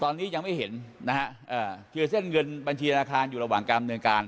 ตอนนี้ยังไม่เห็นนะฮะเอ่อเอ่อคือเส้นเงินบัญชีโนโลคารณ์อยู่ระหว่างการบนเงินการ